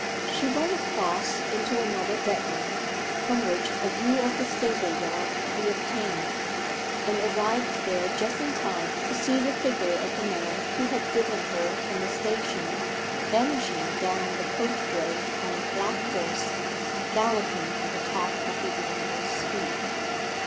She went across into another bedroom, from which a view of the stable yard could be obtained, and arrived there just in time to see the figure of the man who had driven her from the station vanishing down the coach road on a black horse galloping at the top of the animal's speed.